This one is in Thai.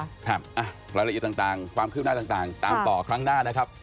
รายละเอียดต่างความคืบหน้าต่างตามต่อครั้งหน้านะครับ